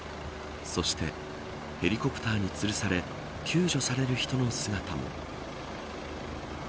そして、ヘリコプターにつるされ救助される人の姿も。